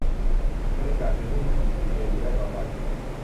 บริจาคเงินให้วิกิพีเดียอยู่ได้ต่อไป